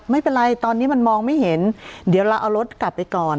ไม่เป็นไรตอนนี้มันมองไม่เห็นเดี๋ยวเราเอารถกลับไปก่อน